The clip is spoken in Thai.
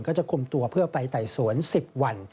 ก็จะคุมตัวเพื่อไปไต่สวน๑๐วัน